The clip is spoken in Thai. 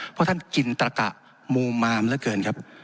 เพราะท่านกินตระกะมูมามเหลือเกินครับ